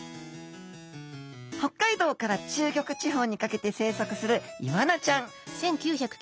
北海道から中国地方にかけて生息するイワナちゃん。